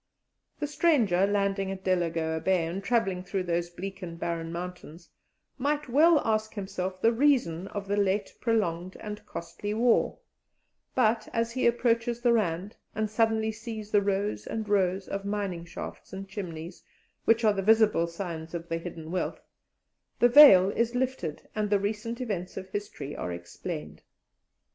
The stranger landing at Delagoa Bay, and travelling through those bleak and barren mountains, might well ask himself the reason of the late prolonged and costly war; but as he approaches the Rand, and suddenly sees the rows and rows of mining shafts and chimneys, which are the visible signs of the hidden wealth, the veil is lifted and the recent events of history are explained.